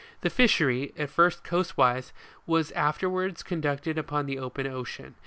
The fishery, at first coast wise, was aiterwards conducted on the open ocean.